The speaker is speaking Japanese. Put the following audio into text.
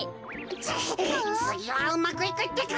つつぎはうまくいくってか！